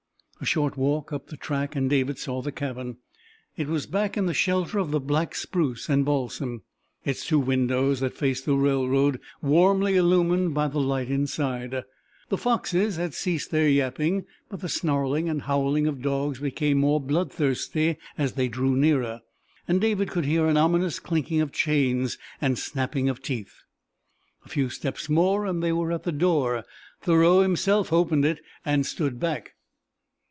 A short walk up the track and David saw the cabin. It was back in the shelter of the black spruce and balsam, its two windows that faced the railroad warmly illumined by the light inside. The foxes had ceased their yapping, but the snarling and howling of dogs became more bloodthirsty as they drew nearer, and David could hear an ominous clinking of chains and snapping of teeth. A few steps more and they were at the door. Thoreau himself opened it, and stood back.